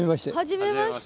はじめまして。